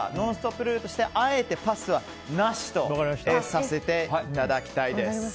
ルールとしてあえてパスはなしとさせていただきたいです。